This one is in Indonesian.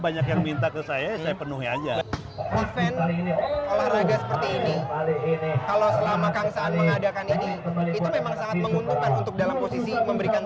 banyak yang minta ke saya saya penuhi aja kalau selama mengadakan ini untuk dalam posisi memberikan